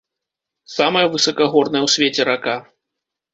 Самая высакагорная ў свеце рака.